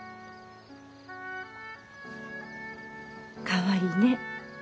かわいいね。